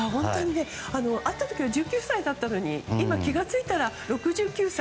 会った時は１９歳だったのに今、気が付いたら６９歳。